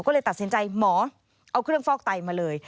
ก็เลยตัดสินใจหมอเอาเครื่องฟอกไตมาเลย